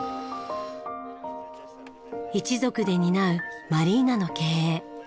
一族で担うマリーナの経営。